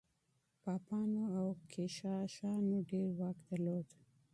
پاپانو او کشیشانو ډېر واک درلود.